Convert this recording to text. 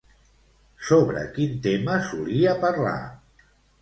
Sobre quin tema solia parlar?